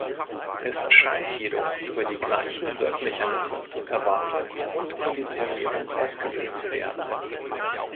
Es scheint jedoch über die gleichen Wirkmechanismen „Erwartung“ und „Konditionierung“ ausgelöst zu werden.